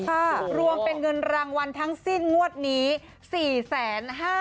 ค่ะรวมเป็นเงินรางวัลทั้งสิ้นงวดนี้๔๕๘๐๐๐บาท